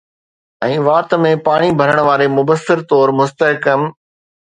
۽ وات ۾ پاڻي ڀرڻ واري مبصر طور مستحڪم